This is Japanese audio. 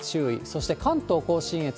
そして関東甲信越。